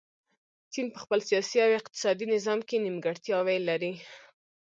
چین په خپل سیاسي او اقتصادي نظام کې نیمګړتیاوې لري.